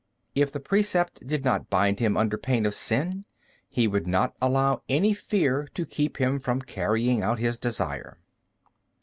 If the precept did not bind him under pain of sin, he would not allow any fear to keep him from carrying out his desire.